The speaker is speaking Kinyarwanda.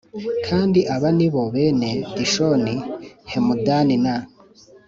Kandi aba ni bo bene Dishoni Hemudani na